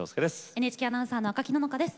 ＮＨＫアナウンサーの赤木野々花です。